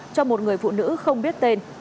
cho một người phụ nữ không biết tên